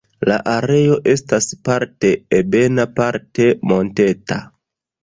La areo estas parte ebena, parte monteta.